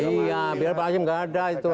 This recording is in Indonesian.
iya biar pak hakim gak ada itu